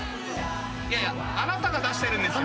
いやいやあなたが出してるんですよ。